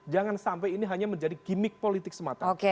jangan sampai ini hanya menjadi gimmick politik semata